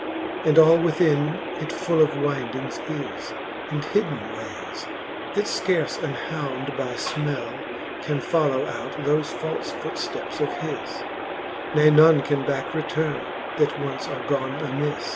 ■ And all within it full of wyndings is, And hidden wayes, that fcarle an hound by frnell Can follow out thofe falle footfteps of his, Ne none can backe returne, that once are gone amis.